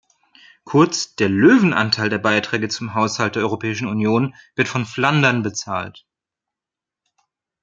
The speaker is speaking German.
Kurz, der Löwenanteil der Beiträge zum Haushalt der Europäischen Union wird von Flandern bezahlt.